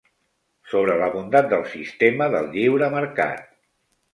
Sobre la bondat del sistema del lliure mercat.